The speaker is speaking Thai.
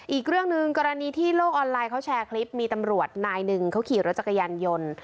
อีกเรื่องหนึ่งกรณีที่โลกออนไลน์เขาแชร์คลิปมีตำรวจนายหนึ่งเขาขี่รถจักรยานยนต์